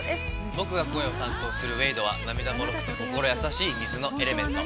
◆僕が声を担当するウェイドは涙もろくて心優しい水のエレメント。